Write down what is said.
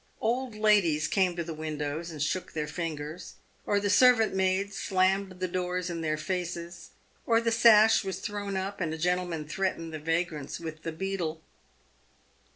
Old ladies came to the windows, and shook their fingers, or the servant maids slammed the doors in their faces, or the sash was thrown up, and a gentleman threatened the vagrants with the beadle.